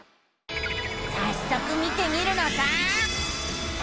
さっそく見てみるのさあ。